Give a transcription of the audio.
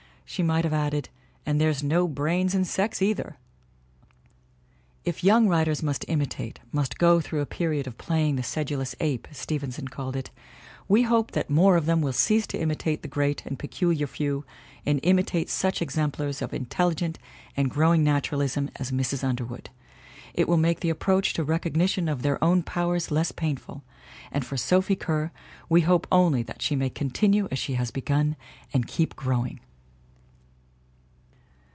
She might have added : "And there's no brains in sex, either!" If young writers must imitate, must go through a period of playing the sedulous ape, as Stevenson called it, we hope that more of them will cease to imitate the Great and Peculiar Few and imitate such exem plars of intelligent and growing naturalism as Mrs. Underwood. It will make the approach to a recogni tion of their own powers less painful. And for Sophie Kerr we hope only that she may continue as she has begun and keep growing.